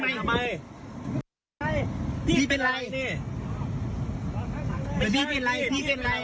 รถขวานของข้างในไม่ผมมา๑๒๐ผมก็รีบพี่